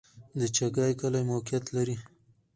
د چاګای کلی موقعیت